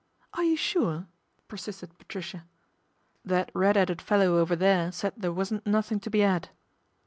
" Are you sure ?" persisted Patricia. " That red 'eaded fellow over there said there wasn't nothing to be 'ad."